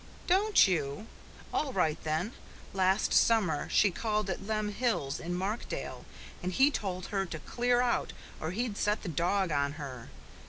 "Don't you? All right, then! Last summer she called at Lem Hill's in Markdale, and he told her to clear out or he'd set the dog on her.